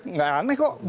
enggak aneh kok